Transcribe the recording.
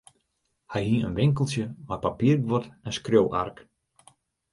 Hy hie in winkeltsje mei papierguod en skriuwark.